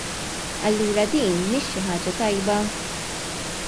Allura din mhix xi ħaġa tajba?